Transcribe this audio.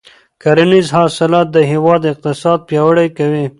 کرنیز حاصلات د هېواد اقتصاد پیاوړی کوي.